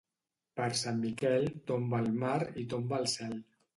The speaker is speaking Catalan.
Per Sant Miquel, tomba el mar i tomba el cel.